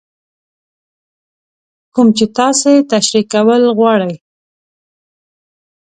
کوم چې تاسې تشرېح کول غواړئ.